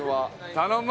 頼む！